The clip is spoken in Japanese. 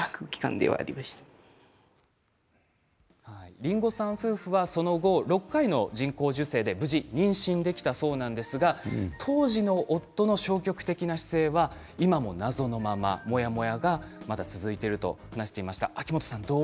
りんごさん夫婦はその後６回の人工授精で無事、妊娠できたそうなんですが当時の夫の消極的な姿勢は今も、謎のままモヤモヤがまだ続いていると話していました。